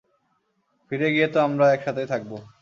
ফিরে গিয়ে তো আমরা এক সাথেই থাকবো?